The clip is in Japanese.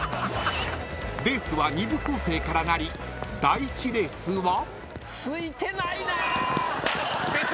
［レースは２部構成からなり第１レースは］